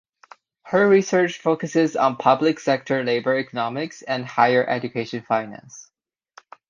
Her research focuses on public sector labor economics and higher education finance.